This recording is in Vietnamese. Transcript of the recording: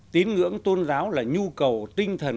tín ngưỡng tôn giáo là nhu cầu tinh thần